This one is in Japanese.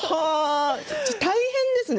大変ですね。